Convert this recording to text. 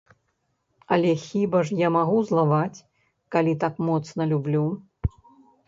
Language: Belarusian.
Але хіба ж я магу злаваць, калі так моцна люблю.